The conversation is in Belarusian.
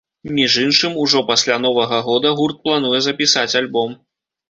Між іншым, ужо пасля новага года гурт плануе запісаць альбом.